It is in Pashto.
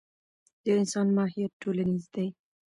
د انسان ماهیت ټولنیز دی.